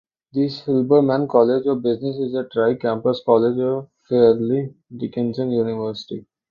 The Silberman College of Business is a tri-campus college of Fairleigh Dickinson University.